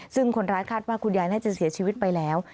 ซึ่งคนร้ายคาดว่าคุณยายน่าจะเสียชีวิตไปแล้ว